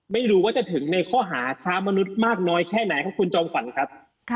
ไม่รู้ว่าจะถึงในข้อหาค้ามนุษย์มากน้อยแค่ไหนครับคุณจอมขวัญครับ